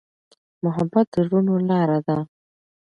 محبت د زړونو لاره ده.